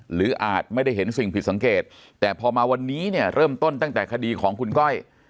อาจไม่ได้เห็นสิ่งผิดสังเกตแต่พอมาวันนี้เนี่ยเริ่มต้นตั้งแต่คดีของคุณก้อย